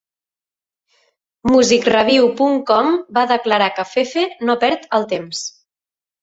Music-Review punt com va declarar que Fefe no perd el temps.